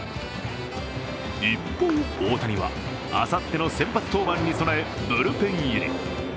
一方、大谷はあさっての先発登板に備えブルペン入り。